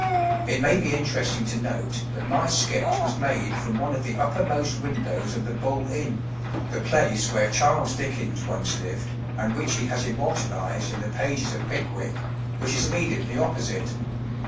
It may be interesting to note that my sketch was made from one of the upper most windows of the "Bull Inn" (the place where Charles Dickens once lived, and which he has immortalized in the pages of "Pickwick"), which is immediately opposite.